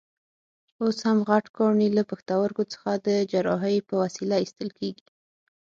اوس هم غټ کاڼي له پښتورګو څخه د جراحۍ په وسیله ایستل کېږي.